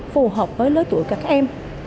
phù hợp với lớp tuổi các em